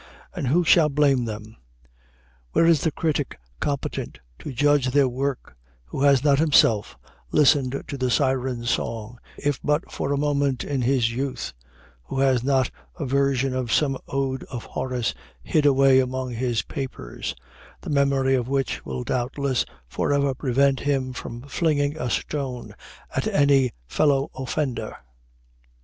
And who shall blame them? Where is the critic competent to judge their work, who has not himself listened to the Siren's song, if but for a moment in his youth, who has not a version of some ode of Horace hid away among his papers, the memory of which will doubtless forever prevent him from flinging a stone at any fellow offender?